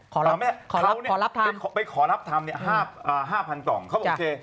ขอรับทำไปขอรับทำห้าพันกล่องเขาบอกโอเค